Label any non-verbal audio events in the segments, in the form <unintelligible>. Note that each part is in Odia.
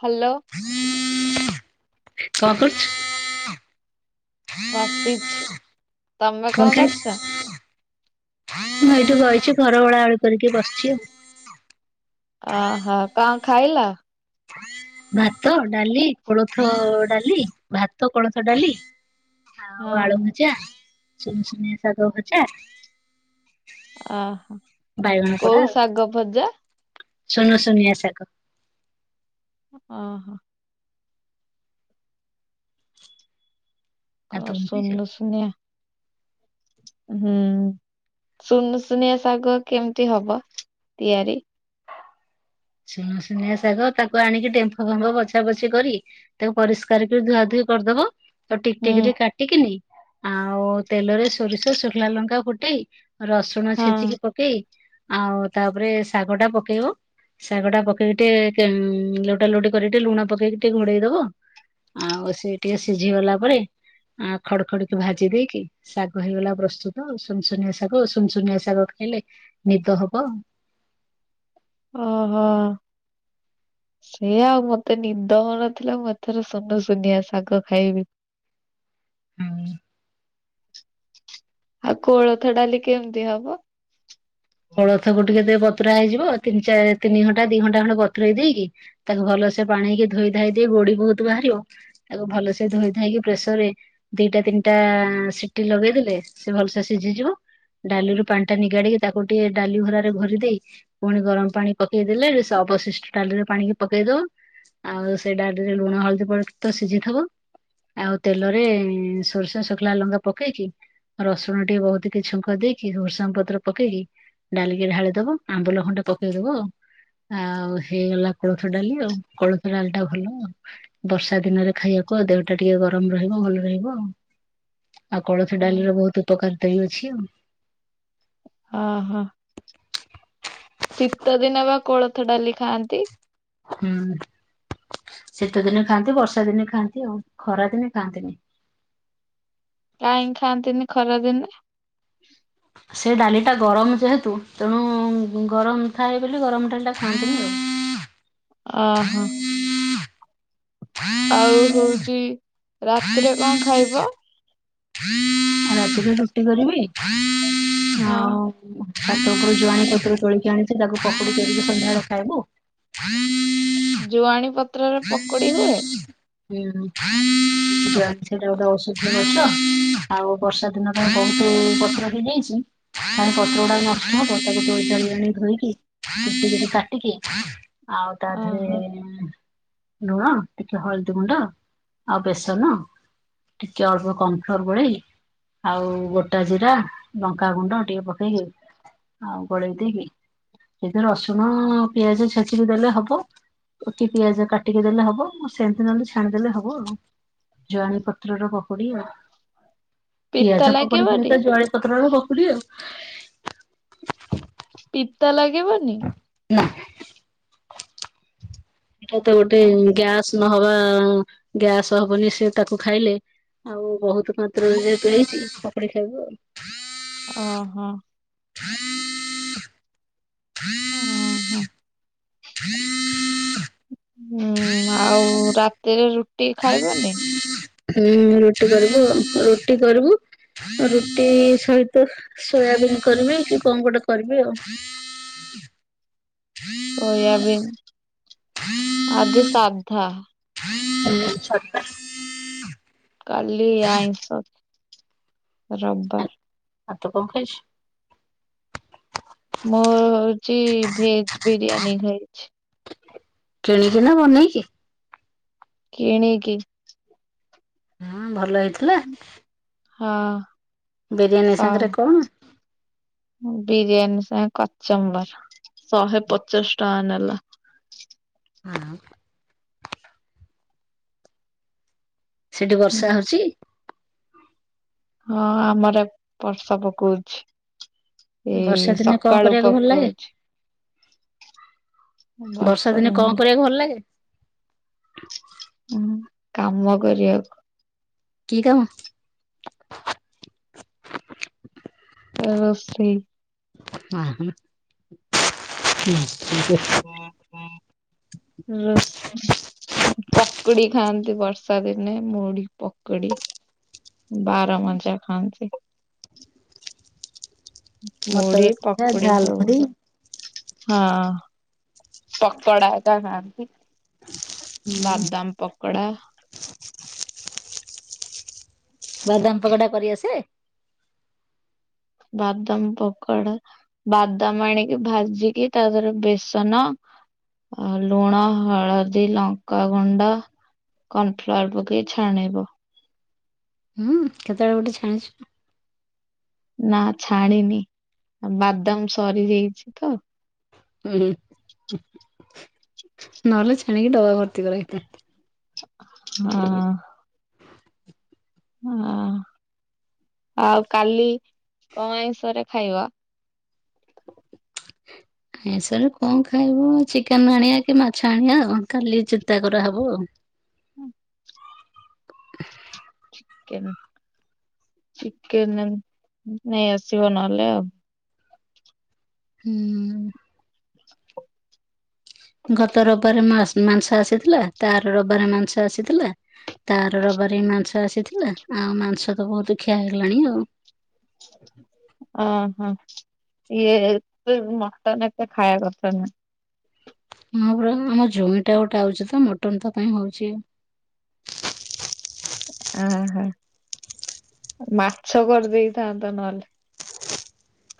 ହ୍ୟାଲୋ। କଣ କରଚୁ? ବସିଛି। ତମେ କଣ ମୁଁଁ କରୁଛ? ଏଇଠି ବଇଚି, ଘର ଓଳାଓଳି କରିକି ବସିଚି ଆଉ। ଅହୋ, କଣ ଖାଇଲ? ଭାତ, ଡାଲି, କୋଳଥ ଡାଲି, ଭାତ କୋଳଥ ଡାଲି ଆଉ, ହଁ ଆଳୁ ଭଜା, ସୁନୁସୁନିଆ ଶାଗ ଭଜା ଅହ ବାଇଗଣ କୋଉ ଶାଗ ଭଜା? ସୁନୁସୁନିଆ ଶାଗ। ଅହ। ଆଉ ତୁ କ କଣ ଖାଇଛୁ? ସୁନୁସୁନିଆ ହୁଁ। ସୁନୁସୁନିଆ ଶାଗ କେମିତି ହବ ତିଆରି? ସୁନୁସୁନିଆ ଶାଗ, ତାକୁ ଆଣିକି ଡେମ୍ଫ ଫେମ୍ଫ ବଛା ବଛି କରି ତାକୁ ପରିଷ୍କାର କରି ଧୁଆ ଧୁଇ କରିଦବ, ତ ଟିକ୍ ହୁଁ ଟିକ୍ କା କାଟିକିନି ଆଉ ତେଲରେ ସୋରିଷ, ଶୁଖିଲା ଲଙ୍କା ଫୁଟେଇ, ରସୁଣ ହଁ ଛେଚିକି ପ ପକେଇ, ଆଉ ତାପରେ ଶାଗ ଟା ପକେଇବ ଶାଗ ଟା ପକେଇକି, ଟିକେ ଲଟା ଲୋଟି କରିକି, ଟିକେ ଲୁଣ ପକେଇକି, ଟିକେ ଘୋଡେଇ ଦବ। ଆଉ, ସେ ଟିକେ ସିଝି ଗଲା ପରେ ଖଡ ଖଡକି ଭାଜି ଦେଇକି ଶାଗ ହେଇଗଲା ପ୍ରସ୍ତୁତ। ସୁନୁସୁନିଆ ଶାଗ, ସୁନୁସୁନିଆ ଶାଗ ଖାଇଲେ ନିଦ ହବ। ଓହୋ। ସେଇଆ ଆଉ, ମତେ ନିଦ ହୋଉନଥିଲା, ମୁଁ ଏଥର ସୁନୁସୁନିଆ ଶାଗ ଖାଇବି। ହୁଁ। ଆଉ, କୋଳଥ ଡାଲି କେମିତି ହବ? କୋଳଥକୁ ଟିକେ ଦେ ବତୁରା ହେଇଯିବ, ତିିନି, ଚା ତିନି ଘଣ୍ଟା, ଦି ଘଣ୍ଟା, ବତୁରେଇ ଦେଇକି ତାକୁ ଭଲସେ ପାଣି ରେ ଧୋଇ, ଧାଇ ଦେଇ ଗୋଡି ବହୁତ ବାହାରିବ। ତାକୁ ଭଲସେ ଧୋଇ ଧାଇ କି ପ୍ରେସର ରେ ଦିଟା, ତିନିଟା, ସିଟି ଲଗେଇଦଲେ ସେ ଭଲସେ ସିଜିଯିବ। ଡାଲିରୁ ପାଣି ଟା ନିଗାଡିକି, ତାକୁ ଟିକେ ଡାଲି ଭରାରେ ଘୋରି ଦେଇ ଫୁଣି ଗରମ ପାଣି ପକେଇଦେଲେ, ସେ ଅବଶିଷ୍ଟ ଡାଲିରେ ପାଣିିକି ପକେଇଦବ। ଆଉ, ସେଇ ଡାଲିରେ ଲୁଣ, ହଳଦୀ ପ ତ ସିଜିଥିବ। ଆଉ, ତେଲରେ ସୋରିଷ ଶୁଖିଲା ଲଙ୍କା ପକେଇକି ରସୁଣ ଟିକେ ବହୁତ କି ଛୁଙ୍କ ଦେଇକି, ଭୁର୍ସଙ୍ଗ ପତ୍ର ପକେଇକି ଡାଲିକି ଢାଳିଦବ, ଆମ୍ବୁଲ ଖଣ୍ଡେ ପକେଇଦବ ଆଉ। ଆଉ ହେଇଗଲା କୋଳଥ ଡାଲି ଆଉ। କୋଳଥ ଡାଲି ଟା ଭଲ ଆଉ। ବର୍ଷା ଦିନରେ ଖାଇବାକୁ ଆଉ, ଦେହଟା ଟିକେ ଗରମ ରହିବ ଭଲ ରହିବ ଆଉ। ଆଉ କୋଳଥ ଡାଲିରେ ବହୁତ ଉପକାର ଦହି ଅଛି ଆଉ। ଅହ ଶୀତ ଦିନ ବା କୋଳଥ ଡାଲି ଖାଆନ୍ତି? ହୁଁ, ଶୀତ ଦିନେ ଖାଆନ୍ତି, ବର୍ଷା ଦିନେ ଖାଆନ୍ତି, ଆଉ ଖରା ଦିନେ ଖାଆନ୍ତିନି। କାହିଁକି ଖାଆନ୍ତିନି ଖରା ଦିନେ? ସେ ଡାଲିଟା ଗରମ ଯେହେତୁ, ତେଣୁ ଗରମ ଥାଏ ବୋଲି ଗରମ ଡାଲିଟା ଖାଆନ୍ତିନି ଆଉ। ଅହ। ହଁ ଆଉ ହଉଛି, ରାତିରେ କଣ ଖାଇବ? ରାତିରେ ରୁଟି କରିବି। ହଁ ଆଉ ହାତ ଉପରୁ ଜୁଆଣି ପତରୁ ତୋଳିକି ଆଣିଛି ତାକୁ ପକୁଡି କରିକି ସନ୍ଧ୍ୟା ବେଳେ ଖାଇବୁ ହୁଁ <unintelligible> ଜୁଆଣି ପତ୍ରରେ ପକୋଡି ହୁଏ। ହୁଁ ସେ ଔଷଧ <unintelligible> ଛ ଆଉ ବର୍ଷା ଦିନ କ ବହୁତ ପଛର ହେଇଯାଇଛି କଣ ପତ୍ର ଗୁଡାକ ନଷ୍ଟ ହବ ତାକୁ <unintelligible> ଧୋଇକି କାଟିକି ଆଉ ତା ଧେରେ ଓହୋ ଲୁଣ ଟିକେ ହଳଦୀ ଗୁଣ୍ଡ ଆଉ ବେସନ ଟିକେ ଅଳ୍ପ କମ୍ଫୋର ଭ ଆଉ ଗୋଟା ଜିରା ଲଙ୍କାଗୁଣ୍ଡ ଟିକେ ପକେଇକି ଆଉ ଗୋଳେଇ ଦେଇକି ଏବେ ରସୁଣ ପିଆଜ ଛେଚିକି ଦେଲେ ହବ ପିଆଜ କାଟିକି ଦେଲେ ହବ ମୁ ସେମିତି ନହଲେ ଛାଣିଦେଲେ ହବ ଆଉ ଜୁଆଣି ପତ୍ରର ପକୋଡି ଆଉ ପିତା ପିଆଜ ପକୋଡି ଭଳି ଲାଗିବନି ତ ଯୁ ପତରାଣ <unintelligible> ଆଉ ପିତା ଲାଗିବନି ନା ଏଇଟା ତ ଗୋଟେ ଓହୋ ଗ୍ୟାସ୍ ନହବା ଗ୍ୟାସ ହବନି ସେ ତାକୁ ଖାଇଲେ ଆଉ ବହୁତ ମାତ୍ର ଯ <unintelligible> ଛି ପକୁଡି ଖାଇବାକୁ ଆଉ ଓହୋ ହଁଁ <unintelligible> ହୁଁ ହ <unintelligible> ହୁଁ ଆଉ ରାତିରେ ରୁ ହୁଁ ରୁଟି କରିବୁ ରୁଟି କରିବୁ ରୁଟି ସହିତ ସୋୟାବିନ୍ କରିବି କି କଣ ଗୋଟେ କରିବି ଆଉ ହୁଁ ସୋୟାବିନ ଆଜି ସାଧା ଉ ଛତା କାଲି ଆଇଁଷ ରବାର ଆଉ ତ କଣ ଖାଇଛ? ମୁ ହଉଛି ଭେଜେ ବିରିୟାନୀ ଖାଇଛି। କିଣିକି ନା ବନେଇକି? କିଣିକି ହଁ ଭଲ ହେଇଥିଲା। ହଁ ସ ବିରିୟାନୀ ସାଙ୍ଗରେ କଣ? ବିରିୟାନୀ ସାଙ୍ଗେ କଚମ୍ବର ଶହେ ପଚାଶ ଟଙ୍କା ନେଲା ହଁ ସେଠି ହୁଁ। ବର୍ଷା ହଉଛି? ହଁ ଆମର ବର୍ଷା ପକଉଛି। ବର୍ଷା ଏଇ ଦିନେ କଣ ସକାଳୁ କରିବାକୁ ଭଲ ଲାଗେ? ପକାଉଛି ବର୍ଷା ବର୍ଷ ଦିନେ କଣ ଦିନ କରିବାକୁ ଭଲ ଲାଗେ? ହୁଁ କାମ କରିବାକୁ କି କାମ? ରୋଷେଇ ହ ହ <unintelligible> ରସ୍ ପକୁଡି ଖାଆନ୍ତି ବର୍ଷା ଦିନେ ମୁଢ ପକୁଡି ବାର ମଜା ଖାନ୍ତି ମଟର ମୁଢି ସିଝା, ପକୁଡି ଝାଲ ସବୁ। ମୁଢି, ହଁ ପକଡା କା ଖାନ୍ତି। ବାଦାମ ପକୋଡା। ବାଦାମ ପକଡା କରିଆସେ। ବାଦାମ ପକଡା। ବାଦାମ ଆଣିକି ଭାଜିକି ତା ଦେହରେ ବେସନ। ଆ ଲୁଣ ହଳଦୀ ଲଙ୍କାଗୁଣ୍ଡା। କର୍ଣଫ୍ଲୱାର ପକେଇ ଛାଣିବ। ହଁ କେତେବେଳେ ଗୋଟେ ଛାଣିଛୁ। ନା ଛାଣିନି ବାଦାମ ସରି ଯାଇଛି ତ। ହୁଁ ନହଲେ ଛାଣିକି ଡବା ଭର୍ତି କରା ହେଇଥନ୍ତା ହଁ ହଁ। ହଁ ଆଉ କାଲି କଣ ଆଇଁଷରେ ଖାଇବା। ଏସରେ କଣ ଖାଇବ ଚିକେନ ଆଣିବା କି ମାଛ ଆଣିବା କ କାଲି ଚିନ୍ତା କରାହେବ ଆଉ। ହୁଁ। <unintelligible> ଚିକେନ ଚିକେନ ନେଇ ଆସିବ ନହେଲେ ଆଉ। ହୁଁ। ଗତ ରବାରେ ମାଂସ ଆସିଥିଲା ତାର ରବିବାରେ ମାଂସ ଆସିଥିଲା। ତାର ରବାର ମାଂସ ଆସିଥିଲା ଆଉ ମାଂସ ତ ବହୁତ ଖିଆ ହେଇଗଲାଣି ଆଉ। ଓ ହୋ। ଇଏ ମଟନ୍ ଏତେ ଖାଇବା କଥା ନୁହେଁ। ହଁ ପୁରା ଆମ ଜୋଇଁ ଗୋଟେ ଆଉଛି ତ ମଟନ୍ ତା ପାଇଁ ହଉଛି। ଅହୋ ମାଛ କରିଦେଇଥାନ୍ତ ନହେଲେ।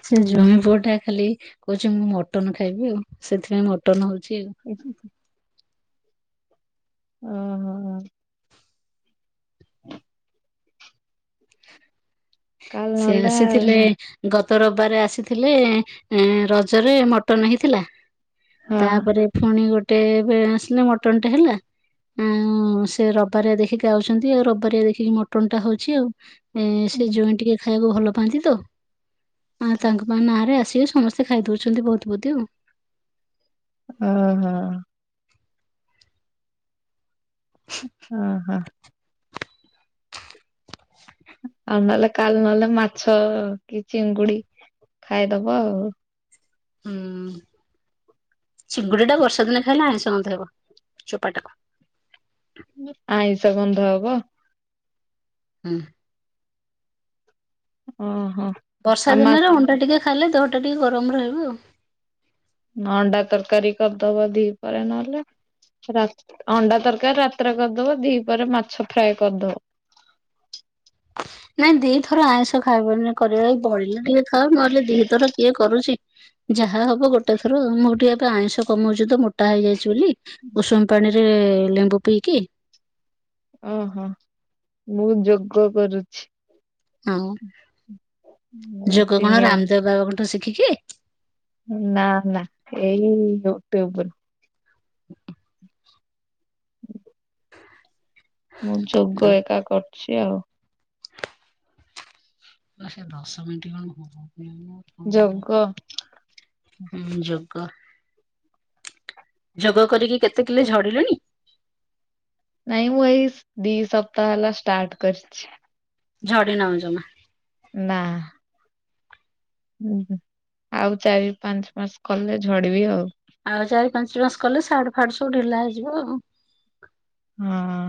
ସେ ଜ୍ୱାଇଁପୁଅ ଟା ଖାଲି କହୁଛି ମୁଁ ମଟନ ଖାଇବି ଆଉ ସେଥିପାଇଁ ମଟନ ହଉଛି ଆଉ। ଆଛା ଓଁ ହୋ ହ। ହଁ। କାଲି ସେ ନହେଲେ ଆସିଥିଲେ। ଗତ ରବିବାର ଆସିଥିଲେ ରଜରେ ମଟନ ହେଇଥିଲା। ହଁ ତାପରେ ପୁଣି ଗୋଟେ ଆସିଲେ ମଟନ ଟେ ହେଲା। ଆଉ ସେ ରବାରିଆ ଦେଖିକି ଆଉଛନ୍ତି ଆଉ ରବାରିଆ ଦେଖିକି ମଟନ ଟା ହଉଛି ଆଉ। ଏ ସେ ଜଇଁ ଟିକେ ଖାଇବାକୁ ଭଲ ପାଆନ୍ତି ତ ଆ ତାଙ୍କ ପାଇଁ ନାଁରେ ଆସିବେ ସମସ୍ତେ ସେ ଖାଇ ଦଉଛନ୍ତି ବହୁତ ବହୁତ ଆଉ। ଓହ ଓହ ଆଉ ନହେଲେ କାଲି ନହେଲେ ମାଛ କି ଚିଙ୍ଗୁଡି ଖାଇଦବ ଆଉ। ହୁଁ ଚିଙ୍ଗୁଡି ଟା ବର୍ଷା ଦିନେ ଖାଇଲେ ଆଇଁଷ ଗନ୍ଧ ହେବ ଚୋପାଟାକୁ। ଆଇଷ ଗନ୍ଧ ହବ। ହୁଁ। ଓ ହୋ। ବର୍ଷା ଦିନରେ ଅଣ୍ଡା ଟିକେ ଖାଇଲେ ଦେହଟା ଟିକେ ଗରମ ରହିବ ଆଉ। ଅଣ୍ଡା ତରକାରୀ କରିଦବା ଦିପହରେ ନହେଲେ। ଅଣ୍ଡା ତରକାରି ରାତିରେ କରିଦବ ଦି ପରେ ମାଛ ଫ୍ରାଏ କରିଦେବ। ନାଇଁ ଦିଥର ଆଇଁଷ ଖାଇବୁନି କରିବା ବଳିଲା ଟିକେ ଖାଇ ନହେଲେ ଦିଥର କିଏ କରୁଛି। ଯାହା ହବ ଗୋଟେ ଥର ମୁଁ ଟିକେ ଏବେ ଆଇଁଷ କମଉଛି ତ ମୋଟା ହେଇଯାଇଛି ବୋଲି ଉଷୁମ ପାଣି। ରେ ଲେମ୍ବୁ ପିଇକି। ଓହୋ ମୁଁ ଯୋଗ କରୁଛି। ହଁ ମୁଁ ଯୋଗ କଣ ତିନି ରାମଦେବ ବାବାଙ୍କଠୁ ଶିଖିକି। ନା ନା ଏଇ ୟୁଟ୍ୟୁବ ରୁ। ମୁଁ ଯୋଗ ଏକା କରଛି ଆଉ। <unintelligible> ଯୋଗ। ହୁଁ ଯୋଗ। ଯୋଗ କରିକି କେତେ କିଲ ଝଡିଲେଣି। ନାଇଁ ମୁଁ ଏଇ ସ୍ ଦି ସପ୍ତାହ ହେଲା ଷ୍ଟାର୍ଟ କରିଛି। ଝଡି ନଉ ଜମା। ନା। ଉଁ ହୁଁ ଆଉ ଚାରି ପାଞ୍ଚ ମାସ କଲେ ଝଡିବି ଆଉ। ଆଉ ଚାରି ପାଞ୍ଚ ମାସ କଲେ ସାଟ୍ ଫାଟ ସବୁ ଢିଲା ହେଇଯିବ ଆଉ। ହୁଁ।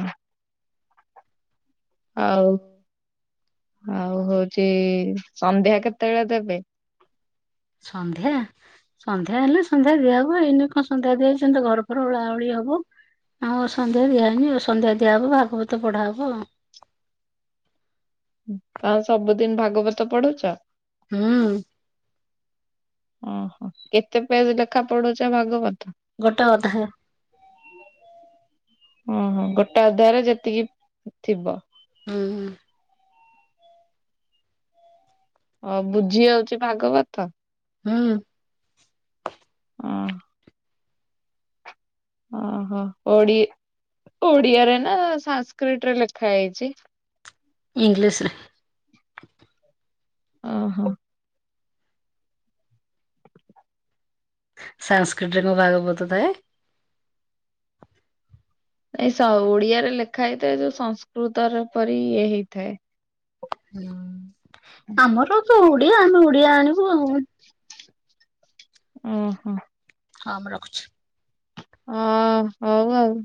ଆଉ ଆଉ ହଉଛି ସନ୍ଧ୍ୟା କେତେ ବେଳେ ଦେବେ। ସନ୍ଧ୍ୟା। ସନ୍ଧ୍ୟା ହେଲେ ସନ୍ଧ୍ୟା ଦିଆହୁଏ ଏଇନି କଁ ସନ୍ଧ୍ୟା ଦିଆଇ ଯିବ ଘର ଫର ଓଳା ଓଳି ହବ। ଆଉ ସନ୍ଧ୍ୟା ଦିଆହଇନି ଆଉ ସନ୍ଧ୍ୟା ଦିଆହବ ଭାଗବତ ପଢା ହବ ଆଉ। ଆଉ ସବୁଦିନ ଭାଗବତ ପଢୁଛ। ହୁଁ। ଓହୋ କେତେ ପେଜ ଲେଖା ପଢୁଛ ଭାଗବତ। ଗୋଟେ ଅଧ୍ୟାୟ। ଓହୋ ଗୋଟେ ଅଧ୍ୟାୟ ରେ ଯେତିକି ଥିବ। ଉଁ ହୁଁ। ଆଉ ବୁଝି ଯାଉଛି ଭାଗବତ। ହୁଁ। ଅ ଓହୋ ଓଡି ଓଡିଆ ରେ ନା ସାଂସ୍କ୍ରିଟ୍ ରେ ଲେଖା ହେଇଛି। ଇଂଲିଶ୍ ରେ। ଅ ହ। ସାଂସର୍କିଟ ରେ କଁ ଭାଗବତ ଥାଏ। ନାଇଁ ସ ଓଡିଆ ରେ ଲେଖା ହେଇଥାଏ ଯୋଉ ସଂସ୍କୃତର ପରି ଇଏ ହେଇଥାଏ। ହୁଁ ଆମର ତ ଓଡିଆ ଆମେ ଓଡିଆ ଆଣିବୁ ଆଉ। ଉଁ ହୁଁ। ହଁ ମୁଁ ରଖୁଛି। ହଁ ହଉ ଆଉ।